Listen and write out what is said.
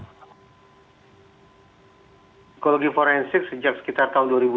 psikologi forensik sejak sekitar tahun dua ribu satu atau dua ribu dua